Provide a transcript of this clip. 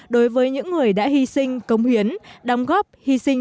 đối với những người đã hy sinh công hiến đóng góp hy sinh